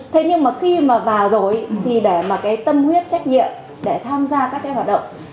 thế nhưng mà khi mà vào rồi thì để mà cái tâm huyết trách nhiệm để tham gia các cái hoạt động